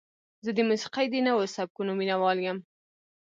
زه د موسیقۍ د نوو سبکونو مینهوال یم.